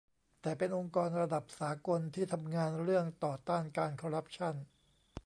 แต่เป็นองค์กรระดับสากลที่ทำงานเรื่องต่อต้านการคอร์รัปชั่น